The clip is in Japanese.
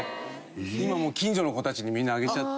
今もう近所の子たちにみんなあげちゃって。